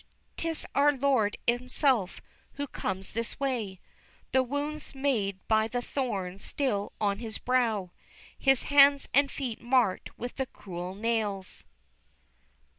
'tis our Lord himself who comes this way, The wounds made by the thorns still on His brow, His hands and feet marked with the cruel nails.